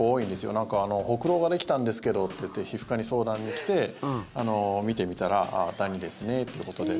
なんか、ほくろができたんですけどっていって皮膚科に相談に来て、見てみたらダニですねということで。